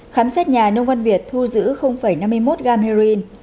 khám xét nhà nông văn việt thu giữ năm mươi một gam heroin